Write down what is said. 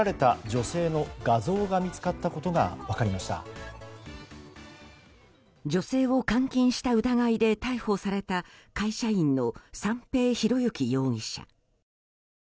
女性を監禁した疑いで逮捕された会社員の三瓶博幸容疑者。